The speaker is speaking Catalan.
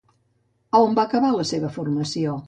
A on va acabar la seva formació?